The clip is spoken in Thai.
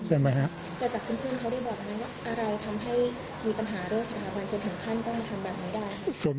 แต่จากเพื่อนเขาได้บอกว่าอะไรธรรมให้มีปัญหาด้วย